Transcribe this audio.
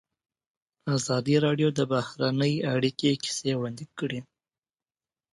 ازادي راډیو د بهرنۍ اړیکې کیسې وړاندې کړي.